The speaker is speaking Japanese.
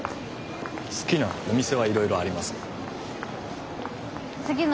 好きなお店はいろいろありますけど。